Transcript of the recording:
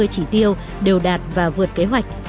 chỉ tiêu đều đạt và vượt kế hoạch